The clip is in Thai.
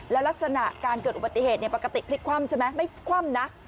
แล้วลักษณะการเกิดอุบัติเหตุปกติพลิกคว่ำใช่ไหมไม่คว่ำนะ